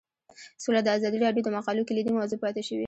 سوله د ازادي راډیو د مقالو کلیدي موضوع پاتې شوی.